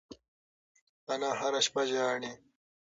انا هره شپه ژاړي.